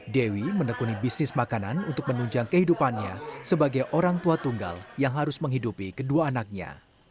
dewi menekuni bisnis makanan untuk menunjang kehidupannya sebagai orang tua tunggal yang harus menghidupi kedua anaknya